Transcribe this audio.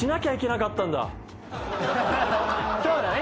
そうだね。